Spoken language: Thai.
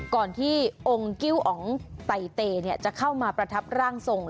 ก่อนที่องค์กิ้วอ๋องไตเตจะเข้ามาประทับร่างทรง